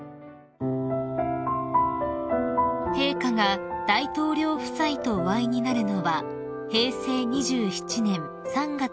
［陛下が大統領夫妻とお会いになるのは平成２７年３月以来］